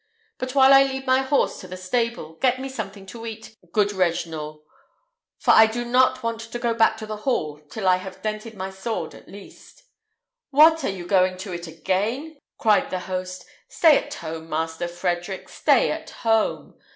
But while I lead my horse to the stable, get me something to eat, good Regnault; for I do not want to go back to the hall till I have dented my sword at least." "What! are you going to it again?" cried the host; "stay at home, Master Frederick! stay at home!